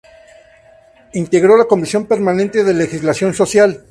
Integró la Comisión Permanente de Legislación Social.